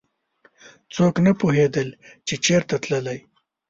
څوک نه پوهېدل چې چېرته تللی.